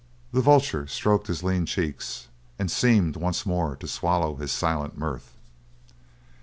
The vulture stroked his lean cheeks and seemed once more to swallow his silent mirth.